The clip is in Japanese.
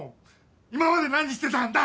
今まで何してたんだ！？